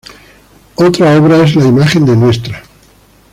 Otra obra es la imagen de Ntra.